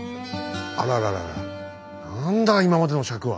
あらららら何だ今までの尺は。